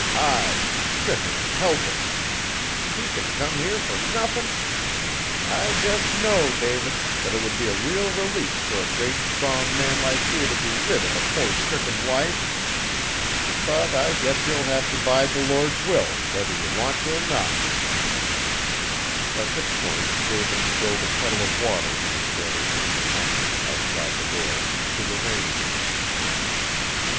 I, stricken an' helpless! She can come here fur nothin'! I jest know, David, that it would be a real release fur a great, strong man like you to be rid of a poor stricken wife; but I guess you'll have to bide the Lord's will whether you want t' or no!" At this point David spilled a kettle of water he was bearing from the pump, outside the door, to the range.